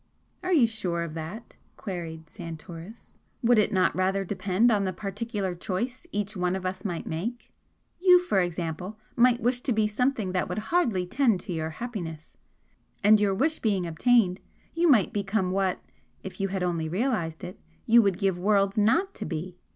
"Are you sure of that?" queried Santoris. "Would it not rather depend on the particular choice each one of us might make? You, for example, might wish to be something that would hardly tend to your happiness, and your wish being obtained you might become what (if you had only realised it) you would give worlds not to be!